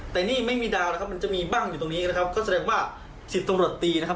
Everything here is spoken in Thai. แต่นี่ไม่มีดาวนะครับมันจะมีบ้างอยู่ตรงนี้นะครับก็แสดงว่าสิบตำรวจตีนะครับ